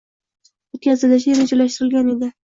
o'tkazilishi rejalashtirilgan edi